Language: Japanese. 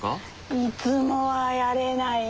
いつもはやれないな。